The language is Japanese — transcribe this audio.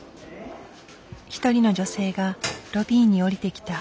一人の女性がロビーに下りてきた。